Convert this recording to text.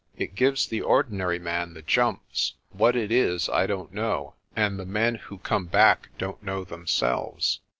It gives the ordinary man the jumps. What it is, I don't know, and the men who come back don't know themselves.